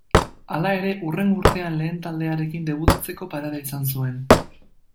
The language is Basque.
Hala ere, hurrengo urtean lehen taldearekin debutatzeko parada izan zuen.